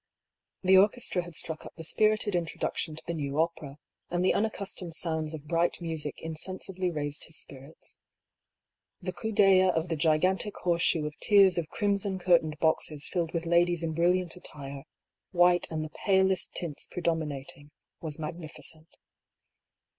The orchestra had struck up the spirited introduc tion to the new opera, and the unaccustomed sounds of bright music insensibly raised his spirits. The coup^ d*ml of the gigantic horseshoe of tiers of crimson cur tained boxes filled with ladies in brilliant attire, white and the palest tints predominating, was magnificent.